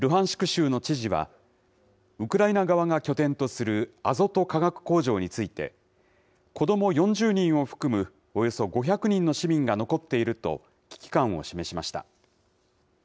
州の知事は、ウクライナ側が拠点とするアゾト化学工場について、こども４０人を含む、およそ５００人の市民が残っていると危機感を示しました。